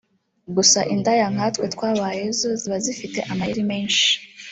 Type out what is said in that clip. Gusa indaya nka twe twabaye zo ziba zifite amayeri menshi